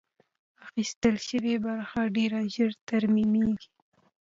اخیستل شوې برخه ډېر ژر ترمیمېږي.